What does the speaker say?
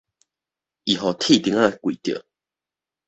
伊予鐵釘仔劌著